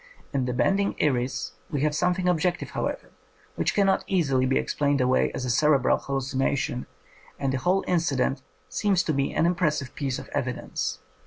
In the bending iris we have something objective, however, which cannot easily be explained away as a cerebral hallucination, and the whole inci dent seems to me an impressive piece of evi dence.